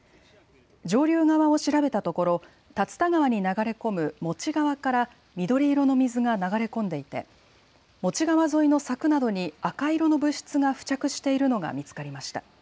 上流側を調べたところ竜田川に流れ込むモチ川から緑色の水が流れ込んでいてモチ川沿いの柵などに赤色の物質が付着しているのが見つかりました。